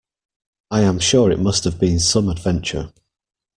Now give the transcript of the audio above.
I am sure it must have been some adventure.